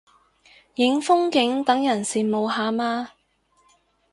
影風景等人羨慕下嘛